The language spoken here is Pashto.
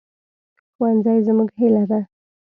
ښوونځی زموږ هیله ده